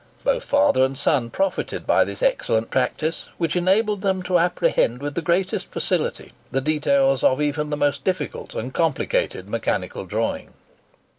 Both father and son profited by this excellent practice, which enabled them to apprehend with the greatest facility the details of even the most difficult and complicated mechanical drawing.